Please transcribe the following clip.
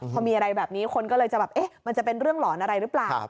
พอมีอะไรแบบนี้คนก็เลยจะแบบเอ๊ะมันจะเป็นเรื่องหลอนอะไรหรือเปล่า